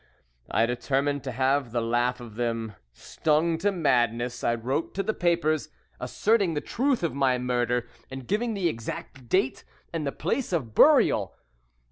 I determined to have the laugh of them. Stung to madness, I wrote to the papers asserting the truth of my murder, and giving the exact date and the place of burial.